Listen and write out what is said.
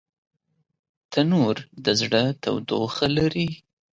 تنور د زړه تودوخه لري